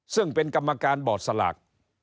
ซึ่งเป็นกรรมการบอร์ดสลาก